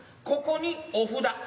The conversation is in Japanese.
ここにお札。